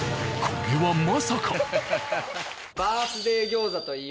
これはまさか。